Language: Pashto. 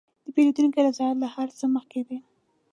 د پیرودونکي رضایت له هر څه مخکې دی.